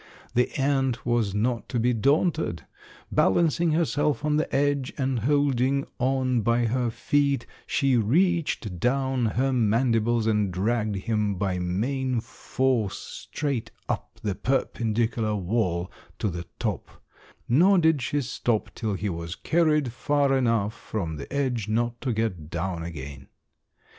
The ant was not to be daunted; balancing herself on the edge, and holding on by her feet, she reached down her mandibles and dragged him by main force straight up the perpendicular wall to the top; nor did she stop till he was carried far enough from the edge not to get down again.